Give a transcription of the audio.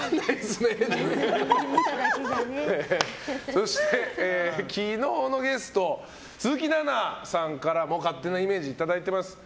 そして、昨日のゲスト鈴木奈々さんからも勝手なイメージをいただいています。